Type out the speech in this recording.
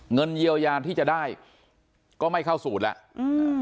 เงินเยียวยาที่จะได้ก็ไม่เข้าสูตรแล้วอืม